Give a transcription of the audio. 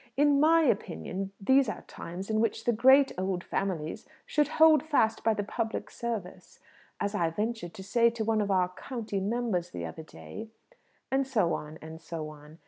In my opinion these are times in which the great old families should hold fast by the public service. As I ventured to say to one of our county members the other day " And so on, and so on.